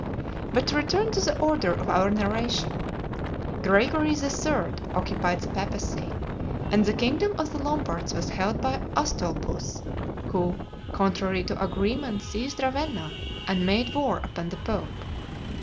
But to return to the order of our narration. Gregory III. occupied the papacy, and the kingdom of the Lombards was held by Astolphus, who, contrary to agreement, seized Ravenna, and made war upon the pope.